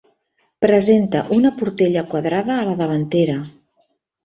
Presenta una portella quadrada a la davantera.